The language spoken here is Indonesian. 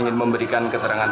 terima kasih banyak